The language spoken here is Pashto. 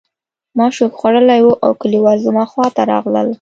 ما شوک خوړلی و او کلیوال زما خواته راغلل